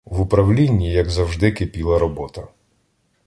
В управлінні, як завжди, кипіла робота.